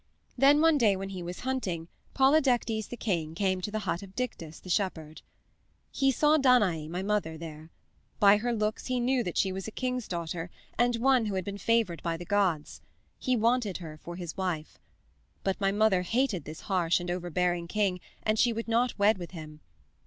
Then one day when he was hurting, Polydectes the king came to the but of Dictys the shepherd. "He saw Danae, my mother, there. By her looks he knew that she was a king's daughter and one who had been favored by the gods. He wanted her for his wife. But my mother hated this harsh and overbearing king, and she would not wed with him.